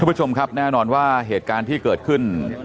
ผู้ชมครับแน่นอนว่าเหตุการณ์ที่เกิดขึ้น